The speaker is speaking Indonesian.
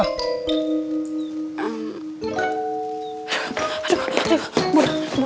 eh aduh aduh aduh